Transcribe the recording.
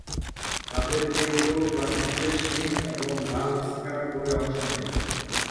তাদের কেউ কেউ প্লাস্টিকের শিং এবং লাল স্কার্ফ পরে অংশ নেয়।